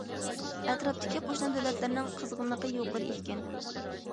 ئەتراپتىكى قوشنا دۆلەتلەرنىڭ قىزغىنلىقى يۇقىرى ئىكەن.